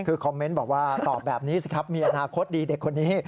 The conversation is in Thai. คือคอมเมนต์บอกว่าตอบแบบนี้สิครับมีอนาคตดีเด็กคนนี้